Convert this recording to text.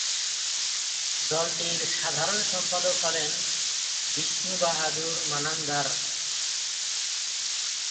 দলটির সাধারণ সম্পাদক হলেন বিষ্ণু বাহাদুর মানান্ধার।